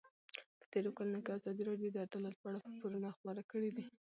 په تېرو کلونو کې ازادي راډیو د عدالت په اړه راپورونه خپاره کړي دي.